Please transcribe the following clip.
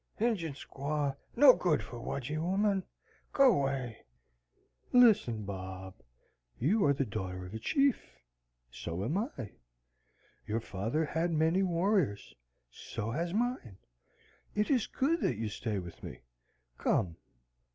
"Injin squaw no good for waugee woman. Go 'way." "Listen, Bob. You are daughter of a chief: so am I. Your father had many warriors: so has mine. It is good that you stay with me. Come."